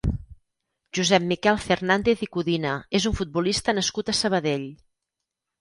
Josep Miquel Fernández i Codina és un futbolista nascut a Sabadell.